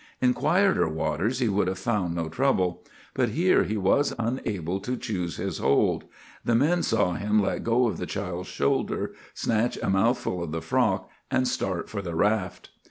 In quieter waters he would have found no trouble, but here he was unable to choose his hold. The men saw him let go of the child's shoulder, snatch a mouthful of the frock, and start for the raft.